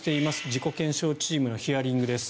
事故検証チームのヒアリングです。